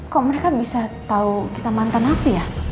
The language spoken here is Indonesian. kok mereka bisa tahu kita mantan api ya